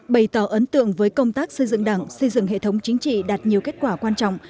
bày tỏ ấn tượng với công tác xây dựng đảng xây dựng hệ thống chính trị đạt nhiều kết quả quan trọng